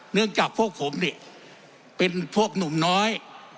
เนื่องจากพวกผมนี่เป็นพวกหนุ่มน้อย